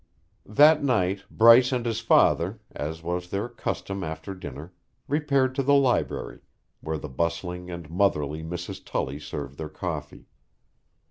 That night Bryce and his father, as was their custom after dinner, repaired to the library, where the bustling and motherly Mrs. Tully served their coffee.